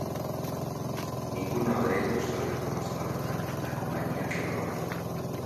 Ninguno de ellos salió jamás a la venta; la compañía quebró.